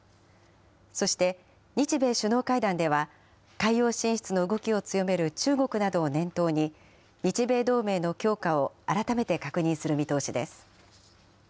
そして、日米首脳会談では、海洋進出の動きを強める中国などを念頭に、日米同盟の強化を改めて確認する見通しです。